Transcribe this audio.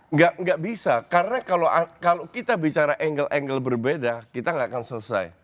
nggak bisa karena kalau kita bicara angle angle berbeda kita nggak akan selesai